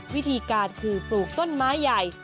วิธีการคือปลูกต้นไม้ใหญ่